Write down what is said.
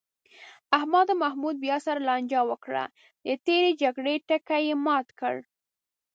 احمد او محمود بیا سره لانجه وکړه، د تېرې جرگې ټکی یې مات کړ.